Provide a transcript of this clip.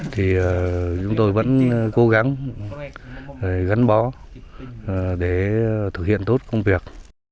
thì chúng tôi vẫn cố gắng gắn bó để thực hiện tốt công việc